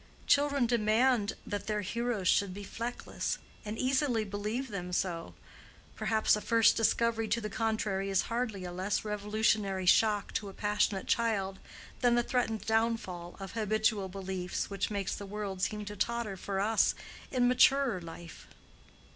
Children demand that their heroes should be fleckless, and easily believe them so: perhaps a first discovery to the contrary is hardly a less revolutionary shock to a passionate child than the threatened downfall of habitual beliefs which makes the world seem to totter for us in maturer life.